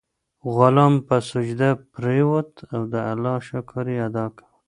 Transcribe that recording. غلام په سجده پریووت او د الله شکر یې ادا کړ.